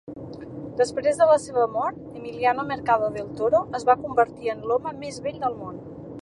Després de la seva mort, Emiliano Mercado Del Toro es va convertir en l'home més vell del món.